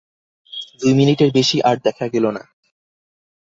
দুই মিনিটের বেশি আর দেখা গেল না।